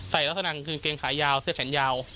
ใส่ลักษณะก็คือกางเกงขายาวเสื้อแขนยาว